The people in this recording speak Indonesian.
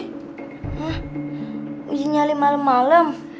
hah uji nyali malem malem